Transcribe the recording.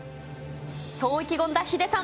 そう意気込んだヒデさん。